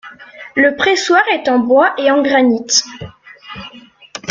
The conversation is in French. Le pressoir est en bois et en granit.